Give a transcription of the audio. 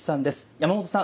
山本さん